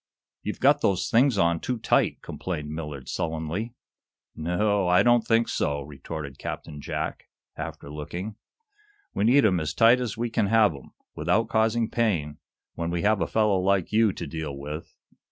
"You've got those things on too tight," complained Millard, sullenly. "No o o, I don't think so," retorted Captain Jack, after looking. "We need 'em as tight as we can have 'em, without causing pain, when we have a fellow like you to deal with.